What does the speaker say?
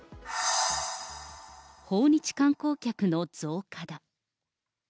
訪日観光客の増加だ。